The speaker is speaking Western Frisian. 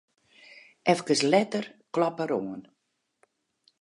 Efkes letter kloppe er oan.